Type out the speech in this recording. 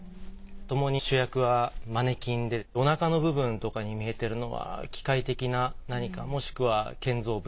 共に主役はマネキンでおなかの部分とかに見えてるのは機械的な何かもしくは建造物。